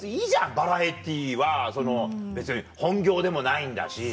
バラエティーは別に本業でもないんだし。